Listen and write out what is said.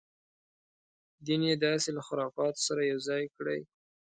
دین یې داسې له خرافاتو سره یو ځای کړی.